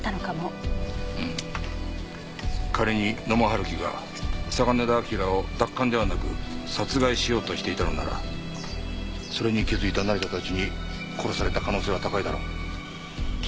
うん仮に野間春樹が嵯峨根田輝を奪還ではなく殺害しようとしていたのならそれに気づいた成田たちに殺された可能性は高いだろう。